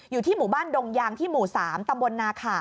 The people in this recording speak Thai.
อยู่ที่หมู่บ้านดงยางที่หมู่๓ตำบลนาขา